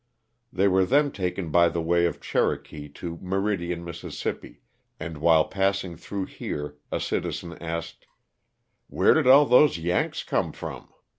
They were then taken by the way of Cherokee to Meridian, Miss., and while passing through here a citizen asked, "Where did all those 'Yanks' come from?''